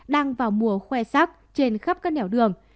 đang vào mùa khoe sắc trên khắp các nẻo đường